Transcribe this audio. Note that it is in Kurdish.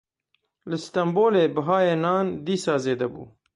Li Stenbolê bihayê nan dîsa zêde bû.